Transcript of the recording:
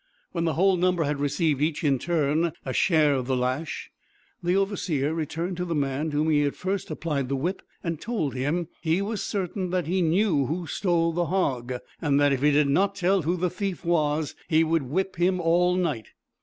When the whole number had received, each in turn, a share of the lash, the overseer returned to the man, to whom he had first applied the whip, and told him he was certain that he knew who stole the hog; and that if he did not tell who the thief was, he would whip him all night.